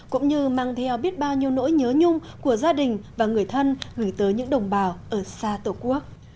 cũng như mang theo biết bao nhiêu nỗi nhớ nhung của gia đình và người thân gửi tới những đồng bào ở xa tổ quốc